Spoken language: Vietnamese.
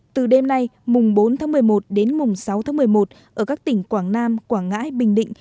từ đêm nay mùng bốn tháng một mươi một đến mùng sáu tháng một mươi một ở các tỉnh quảng nam quảng ngãi bình định